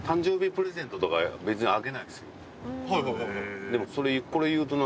はいはいはいはい。